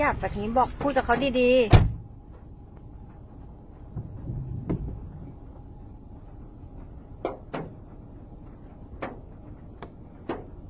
เค้าบอกว่านี่ต้องมูลดินอีกนึงก็ไม่มีไป